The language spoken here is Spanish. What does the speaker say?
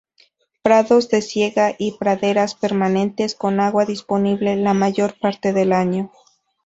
Prados de siega y praderas permanentes con agua disponible la mayor parte del año.